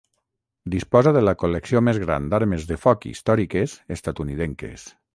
Disposa de la col·lecció més gran d'armes de foc històriques estatunidenques.